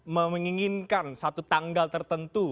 menginginkan satu tanggal tertentu